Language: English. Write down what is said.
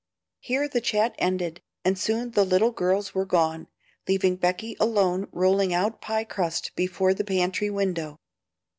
Here the chat ended, and soon the little girls were gone, leaving Becky alone rolling out pie crust before the pantry window.